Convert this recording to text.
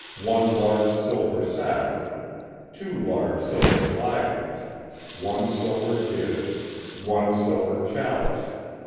One large silver salver. Two large silver flagons. One silver dish. One silver chalice.